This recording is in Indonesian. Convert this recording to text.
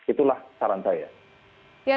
itulah saran saya